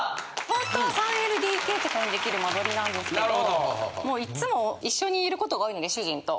ほんとは３ＬＤＫとかに出来る間取りなんですけどいつも一緒にいることが多いので主人と。